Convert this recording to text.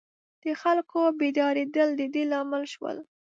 د خلکو بیدارېدل د دې لامل شول.